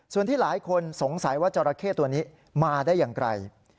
ส่วนที่หลายคนสงสัยว่าจราเข้ตัวนี้มาได้อย่างไร